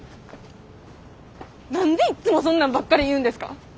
何でいっつもそんなんばっかり言うんですか？